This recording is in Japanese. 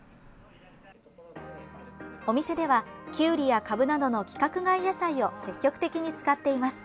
お店では、きゅうりやかぶなどの規格外野菜を積極的に使っています。